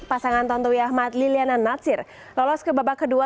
pasangan tonto yahmat liliana natsir lolos ke babak kedua